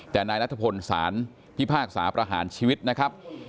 แต่นายนัทพลศาลพิพากษาประหารชีวิตนะครับ